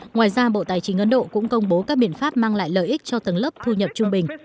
ngoài ra bộ tài chính ấn độ cũng công bố các biện pháp mang lại lợi ích cho tầng lớp thu nhập trung bình